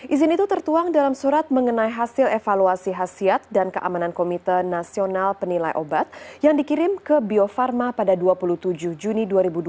izin itu tertuang dalam surat mengenai hasil evaluasi hasil dan keamanan komite nasional penilai obat yang dikirim ke bio farma pada dua puluh tujuh juni dua ribu dua puluh